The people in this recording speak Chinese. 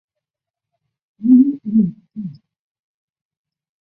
甘肃骨牌蕨为水龙骨科骨牌蕨属下的一个种。